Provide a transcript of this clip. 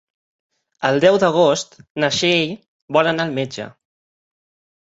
El deu d'agost na Txell vol anar al metge.